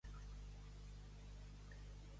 Ser el gat de la barcada.